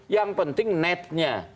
yang penting netnya